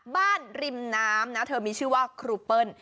ริมน้ำนะเธอมีชื่อว่าครูเปิ้ล